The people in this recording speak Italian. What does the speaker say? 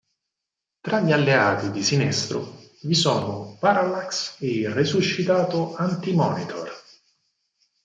Tra gli alleati di Sinestro vi sono Parallax ed il resuscitato Anti-Monitor.